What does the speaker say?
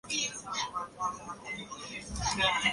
她于圣玛加利女书院毕业后本来打算投考警察。